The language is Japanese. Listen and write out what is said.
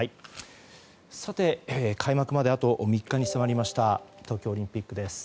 さて、開幕まであと３日に迫りました、東京オリンピック。